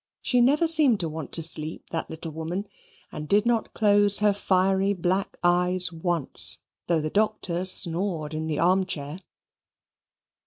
She never seemed to want to sleep, that little woman, and did not close her fiery black eyes once, though the Doctor snored in the arm chair.